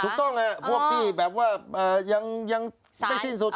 ถูกต้องพวกที่แบบว่ายังไม่สิ้นสุด